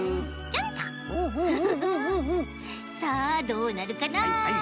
さあどうなるかな。